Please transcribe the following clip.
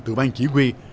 từ bang chỉ huy